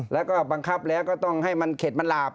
แล้วก็บังคับแล้วก็ต้องให้มันเข็ดมันหลาบ